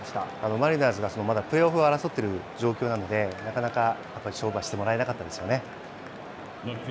マリナーズがプレーオフを争っている状況なので、なかなか、やっぱり勝負はしてもらえなかったですね。